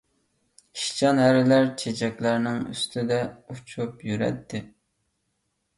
ئىشچان ھەرىلەر چېچەكلەرنىڭ ئۈستىدە ئۇچۇپ يۈرەتتى.